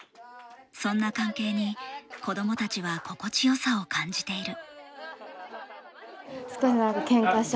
そんな関係に子供たちは心地よさを感じている。